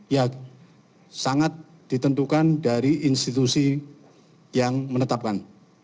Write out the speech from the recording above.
ya sangat ditentukan dari institusi yang menetapkan